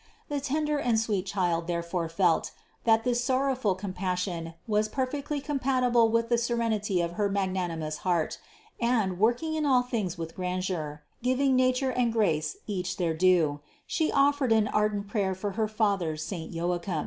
The tender and sweet Child therefore felt, that this sorrowful com passion was perfectly compatible with the serenity of her magnanimous heart, and, working in all things with grandeur, giving nature and grace each their due, She offered an ardent prayer for her father saint Joachim.